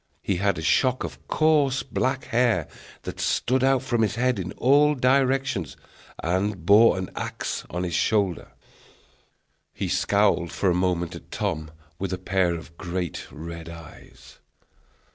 He had a shock of coarse black hair, that stood out from his head in all directions, and bore an axe on his shoulder. He scowled for a moment at Tom with a pair of great red eyes.